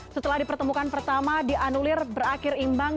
setelah dipertemukan pertama dianulir berakhir imbang